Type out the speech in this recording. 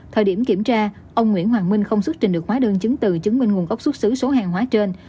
thời điểm kiểm tra ông nguyễn hoàng minh không xuất trình được hóa đơn chứng từ chứng minh nguồn gốc xuất xứ số hàng hóa trên